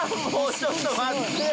ちょっと待ってよ